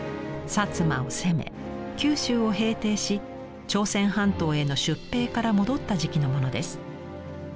薩摩を攻め九州を平定し朝鮮半島への出兵から戻った時期のものです。